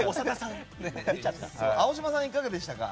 青島さんはいかがでしたか？